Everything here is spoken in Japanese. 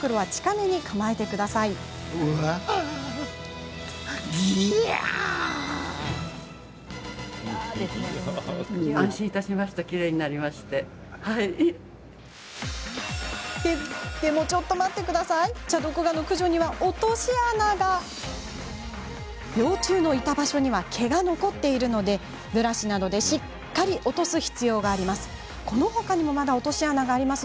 幼虫のいた場所には毛が残っているのでブラシなどでしっかり落とす必要があります。